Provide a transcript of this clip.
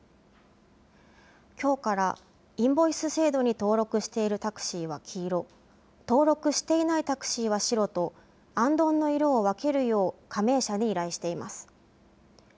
きょうからインボイス制度に登録しているタクシーは黄色、登録していないタクシーは白と、あんどんの色を分けるよう加盟者に依頼しています。